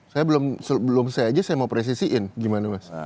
saya belum saya aja saya mau presisiin gimana mas